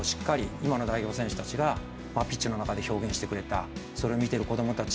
今の代表選手たちがピッチの中で表現してくれたそれを見ている子供たち